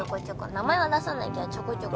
名前は出さないけどちょこちょこ。